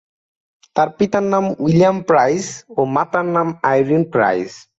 তার পিতার নাম উইলিয়াম প্রাইজ ও মাতার নাম আইরিন প্রাইজ।